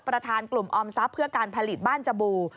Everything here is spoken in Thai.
ประธานกลุ่มออมทรัพย์เพื่อการผลิตบ้านจบู่